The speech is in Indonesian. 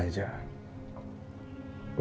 tapi lo tenang aja